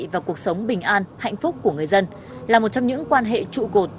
và cuộc sống bình an hạnh phúc của người dân là một trong những quan hệ trụ cột